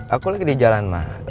aku lagi di jalan mah